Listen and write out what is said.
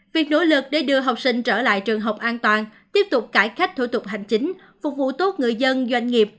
việc nỗ lực để đưa học sinh trở lại trường học an toàn tiếp tục cải cách thủ tục hành chính phục vụ tốt người dân doanh nghiệp